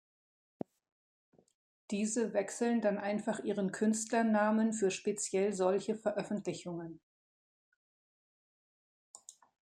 Diese wechseln dann einfach ihren Künstlernamen für speziell solche Veröffentlichungen.